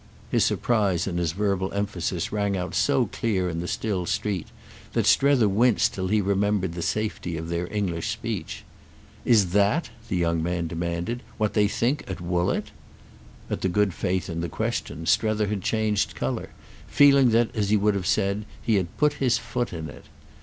His surprise and his verbal emphasis rang out so clear in the still street that Strether winced till he remembered the safety of their English speech. "Is that," the young man demanded, "what they think at Woollett?" At the good faith in the question Strether had changed colour, feeling that, as he would have said, he had put his foot in it.